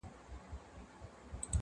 د کرونا له تودې تبي څخه سوړ سو؛